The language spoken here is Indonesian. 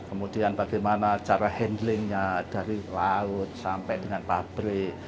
kemudian bagaimana cara handlingnya dari laut sampai dengan pabrik